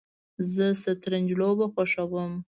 زه شطرنج لوبه خوښوم